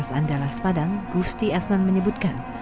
pada kisah andalas padang gusti aslan menyebutkan